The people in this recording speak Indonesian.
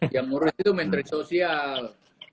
yang ngurus itu menteri sosial